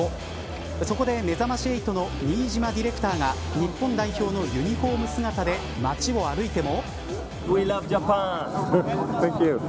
そこで、めざまし８の新島ディレクターが日本代表のユニホーム姿で街を歩いても。